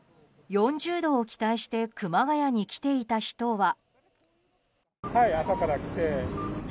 ４０度を期待して熊谷に来ていた人は。